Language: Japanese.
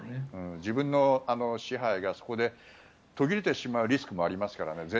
自分の支配がそこで途切れてしまうリスクもありますからね。